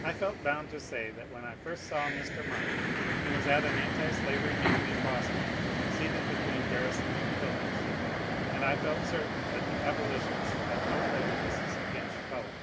I felt bound to say that when I first saw Mr. Martin he was at an antislavery meeting in Boston seated between Garrison and Phillips, and I felt certain that the abolitionists had no prejudices against colour.